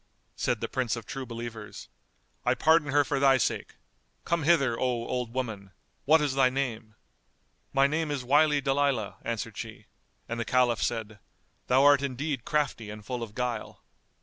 Said the Prince of True Believers, "I pardon her for thy sake: come hither, O old woman; what is thy name?" "My name is Wily Dalilah," answered she, and the Caliph said "Thou art indeed crafty and full of guile."